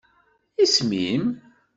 Isem-im?